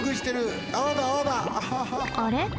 あれ？